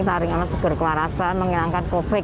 tarik tarik segera ke warasan menghilangkan covid